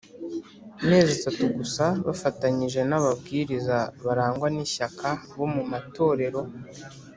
Mezi atatu gusa bafatanyije n ababwiriza barangwa n ishyaka bo mu matorero